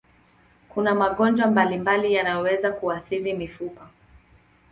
Kuna magonjwa mbalimbali yanayoweza kuathiri mifupa.